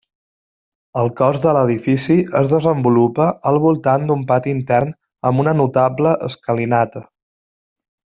El cos de l'edifici es desenvolupa al voltant d'un pati intern amb una notable escalinata.